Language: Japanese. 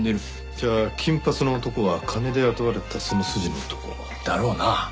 じゃあ金髪の男は金で雇われたその筋の男？だろうな。